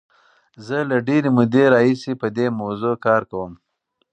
زه له ډېرې مودې راهیسې په دې موضوع کار کوم.